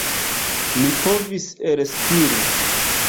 Mi povis elspiri.